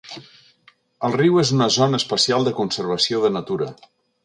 El riu és una zona especial de conservació de natura.